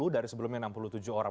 dari sebelumnya enam puluh tujuh orang